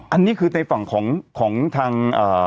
อันนี้คือในฝั่งของทาง